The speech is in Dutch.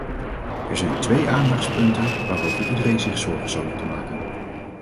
Er zijn twee aandachtspunten waarover iedereen zich zorgen zou moeten maken.